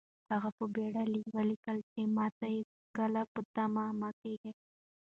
هغه په بېړه ولیکل چې ماته هېڅکله په تمه مه کېږئ.